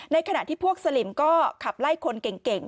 ขณะที่พวกสลิมก็ขับไล่คนเก่ง